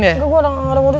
nggak gue ga mau modus